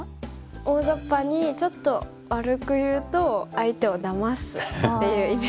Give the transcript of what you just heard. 大ざっぱにちょっと悪くいうと相手をだますっていうイメージありますかね。